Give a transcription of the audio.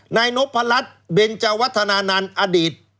นายนพรัชเบนเจาวัฒนานันต์อดีต